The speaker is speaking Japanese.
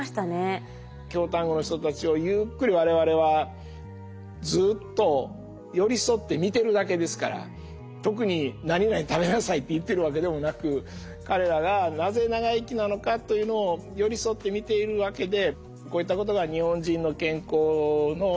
京丹後の人たちをゆっくり我々はずっと寄り添って見てるだけですから特に「なになに食べなさい」って言ってるわけでもなく彼らがなぜ長生きなのかというのを寄り添って見ているわけで。